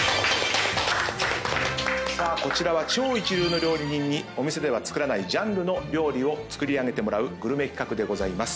こちらは超一流の料理人にお店では作らないジャンルの料理を作り上げてもらうグルメ企画でございます。